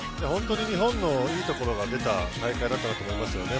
日本のいいところが出た大会だったなと思いますよね。